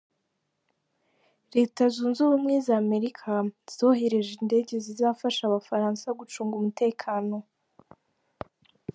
Leta zunze ubumwe za amerika zohereje indege zizafasha abafaransa gucunga umutekano